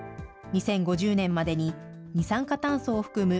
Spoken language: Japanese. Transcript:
２０５０年までに二酸化炭素を含む